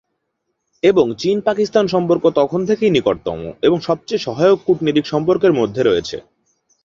এবং চীন-পাকিস্তান সম্পর্ক তখন থেকেই নিকটতম এবং সবচেয়ে সহায়ক কূটনৈতিক সম্পর্কের মধ্যে রয়েছে।